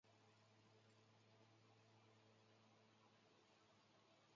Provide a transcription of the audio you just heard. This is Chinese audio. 随即他便被本菲卡租借到意大利球队摩德纳和卡尔佩内多洛积累比赛经验。